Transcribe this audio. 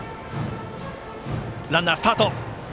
ランナー、スタート。